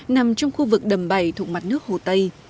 nằm trong khu vực đầm bảy thụ mặt nước hồ tây